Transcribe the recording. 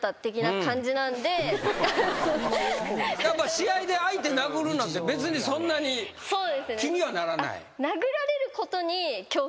やっぱ試合で相手殴るなんて別にそんなに気にはならない？